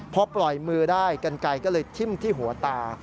พอปล่อยมือได้กันไกลก็เลยทิ้มที่หัวตา